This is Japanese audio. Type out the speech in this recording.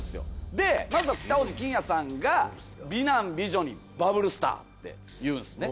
でまずは北大路欣也さんが「美男美女にバブルスター」っていうんですね。